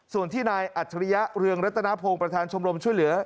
ส่วนที่นายอัจฉริยะเรืองรัตนพงศ์ประธานชมรมช่วยเหลือ